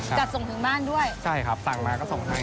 จัดส่งถึงบ้านด้วยใช่ครับสั่งมาก็ส่งให้